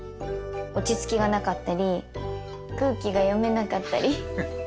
落ち着きがなかったり空気が読めなかったり。